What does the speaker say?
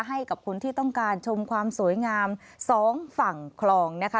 ให้กับคนที่ต้องการชมความสวยงามสองฝั่งคลองนะคะ